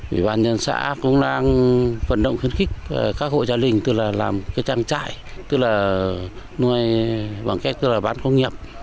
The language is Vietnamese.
vị bàn nhân xã cũng đang vận động khuyến khích các hộ gia đình làm trang trại nuôi bằng cách bán công nghiệp